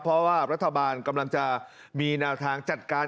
เพราะว่ารัฐบาลกำลังจะมีแนวทางจัดการ